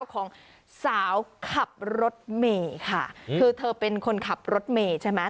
ของสาวขับรถเมย์ค่ะคือเธอเป็นคนขับรถเมย์ใช่ไหม